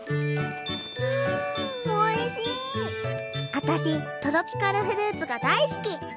私トロピカルフルーツが大好き！